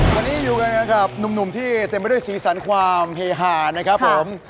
วันนี้อยู่กันกับหนุ่มที่เต็มไปด้วยสีสันความเฮฮานะครับผม